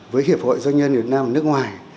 với hiệp hội doanh nhân việt nam ở nước ngoài